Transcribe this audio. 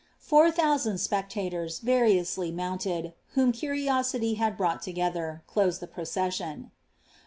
Four thousand spectators, variously mounted) whoa cnriori^ Bad brought together, doMd the procession.